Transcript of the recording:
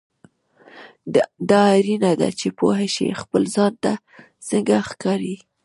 دا اړینه ده چې پوه شې خپل ځان ته څنګه ښکارې.